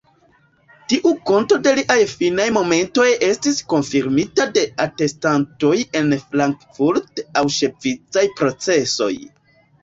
Tiu konto de liaj finaj momentoj estis konfirmita de atestantoj en la frankfurt-aŭŝvicaj procesoj.